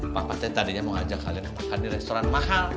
papa teh tadinya mau ajak kalian makan di restoran mahal